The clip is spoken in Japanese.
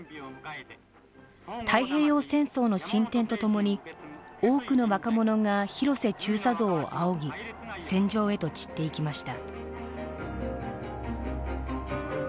太平洋戦争の進展とともに多くの若者が広瀬中佐像を仰ぎ戦場へと散っていきました。